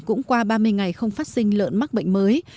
cũng qua ba mươi ngày không phát sinh lợn mắc bệnh mới